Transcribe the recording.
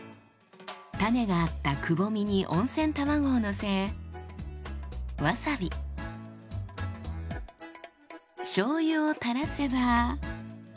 種があったくぼみに温泉卵をのせわさびしょうゆをたらせば。